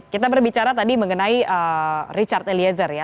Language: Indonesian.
kita berbicara tadi mengenai richard eliezer ya